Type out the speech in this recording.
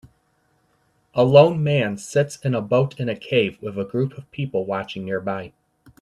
A lone man sits in a boat in a cave with a group of people watching nearby.